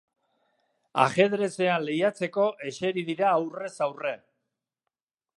Ajerezean lehiatzeko eseri dira aurkez aurke.